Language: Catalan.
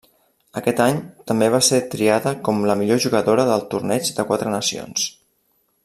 Aquest any, també va ser triada com la millor jugadora del Torneig de Quatre Nacions.